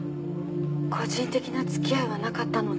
個人的な付き合いはなかったので。